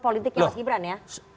politiknya mas gibran ya